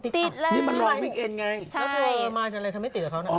ติดแล้วนี่มันลองวิ่งเอ็นไงใช่แล้วเธอมาทำอะไรทำไมติดกับเขา